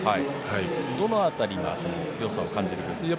どの辺りがそのよさを感じる部分ですか。